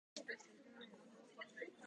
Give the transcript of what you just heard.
毎日仕事に行く